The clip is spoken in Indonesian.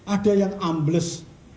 ada yang ambles